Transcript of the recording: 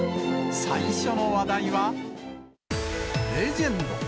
最初の話題は、レジェンド。